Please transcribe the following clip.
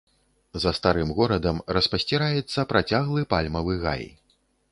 За старым горадам распасціраецца працяглы пальмавы гай.